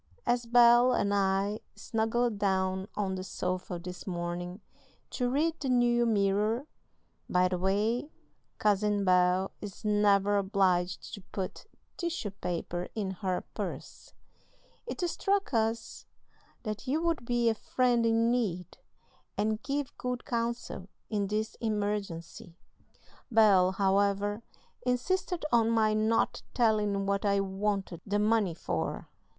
As Bel and I snuggled down on the sofa this morning to read the New Mirror (by the way, Cousin Bel is never obliged to put tissue paper in her purse), it struck us that you would be a friend in need, and give good counsel in this emergency. Bel, however, insisted on my not telling what I wanted the money for.